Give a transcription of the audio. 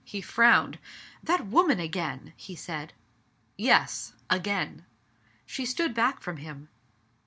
He frowned. "That woman again ! he said. "Yes. Again.'* She stood back from him.